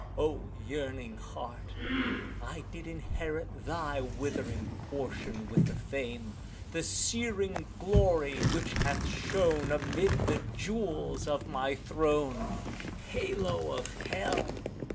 O yearning heart! I did inherit Thy withering portion with the fame, The searing glory which hath shone Amid the jewels of my throne, Halo of Hell!